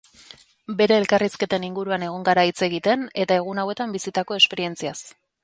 Bere elkarrizketen inguruan egon gara hitz egiten eta egun hauetan bizitako esperientziaz.